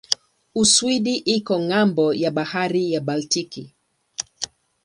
Uswidi iko ng'ambo ya bahari ya Baltiki.